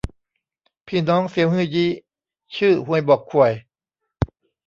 พี่น้องเซียวฮื่อยี้ ชื่อฮวยบ่อข่วย